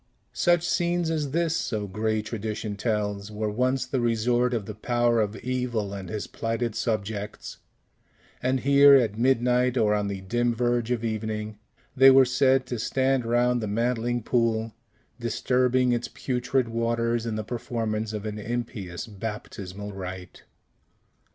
Such scenes as this (so gray tradition tells) were once the resort of the Power of Evil and his plighted subjects; and here, at midnight or on the dim verge of evening, they were said to stand round the mantling pool, disturbing its putrid waters in the performance of an impious baptismal rite.